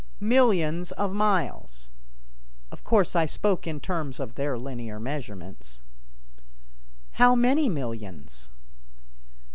"Millions of miles." (Of course I spoke in terms of their linear measurements). "How many millions?"